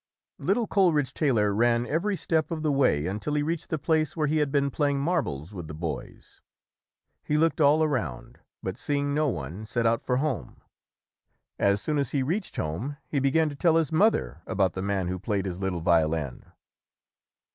Little Coleridge Taylor ran every step of the way until he reached the place where he had been playing marbles with the boys. He looked all around, but, seeing no one, set out for home. As soon as he reached home, he began to tell his mother about the man who played his little violin.